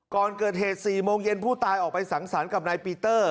ก่อนเกิดเหตุ๔โมงเย็นผู้ตายออกไปสังสรรค์กับนายปีเตอร์